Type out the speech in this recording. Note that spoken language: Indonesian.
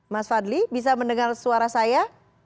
mas fadli bisa mendengar suara saya